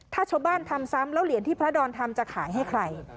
ถ้าชาวบ้านทำซ้ำแล้วเหรียญที่พระดอนทำจะขายให้ใคร